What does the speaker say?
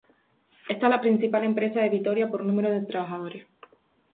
Esta es la principal empresa de Vitoria por número de trabajadores.